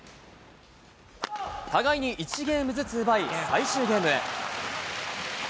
互いに１ゲームずつ奪い、最終ゲーム。